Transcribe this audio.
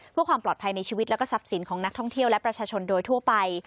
เพื่อความปลอดภัยในชีวิตและทรัพย์สินของนักท่องเที่ยวและประชาชนโดยทั่วไป